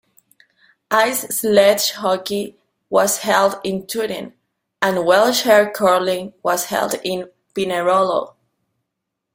Ice sledge hockey was held in Turin, and wheelchair curling was held in Pinerolo.